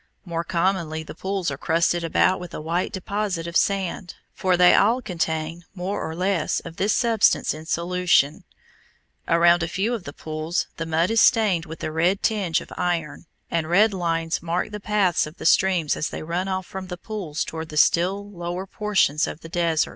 More commonly the pools are crusted about with a white deposit of salt, for they all contain more or less of this substance in solution. Around a few of the pools the mud is stained with the red tinge of iron, and red lines mark the paths of the streams as they run off from the pools toward the still lower portions of the desert.